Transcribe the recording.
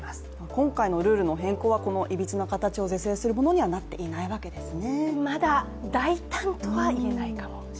今回のルールはいびつな形を是正するものにはなっていないんですね。